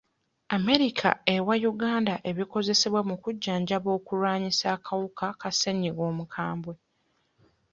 America ewa Uganda ebikozesebwa mu kujjanjaba okulwanyisa akawuka ka ssenyiga omukambwe.